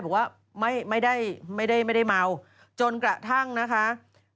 บอกว่าไม่ได้ไม่ได้เมาจนกระทั่งนะคะ